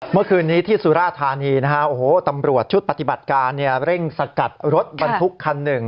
เมื่อคืนนี้ที่สุราธานีนะฮะโอ้โหตำรวจชุดปฏิบัติการเร่งสกัดรถบรรทุกคันหนึ่ง